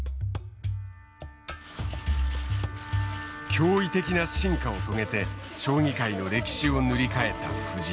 驚異的な進化を遂げて将棋界の歴史を塗り替えた藤井。